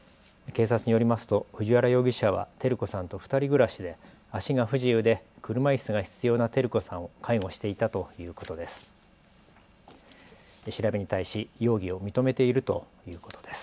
警察によりますと藤原容疑者は照子さんと２人暮らしで足が不自由で、車いすが必要な照子さんを介護していたということです。